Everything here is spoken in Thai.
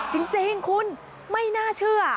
จริงคุณไม่น่าเชื่อ